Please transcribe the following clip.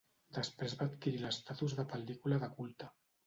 Després va adquirir l'estatus de pel·lícula de culte.